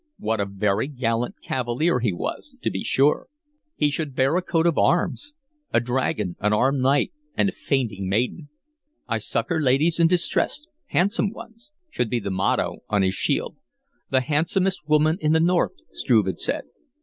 What a very gallant cavalier he was, to be sure! He should bear a coat of arms a dragon, an armed knight, and a fainting maiden. "I succor ladies in distress handsome ones," should be the motto on his shield. "The handsomest woman in the North," Struve had said.